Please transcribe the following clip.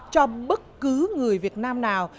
cho bất cứ người việt nam nào